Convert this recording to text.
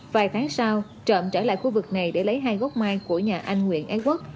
vài tháng sau trộm trở lại khu vực này để lấy hai gốc mai của nhà anh nguyễn ái quốc